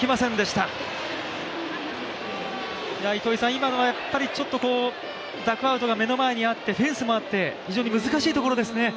今のはダグアウトが目の前にあってフェンスもあって、非常に難しいところですね。